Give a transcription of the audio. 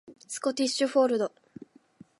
スコティッシュフォールド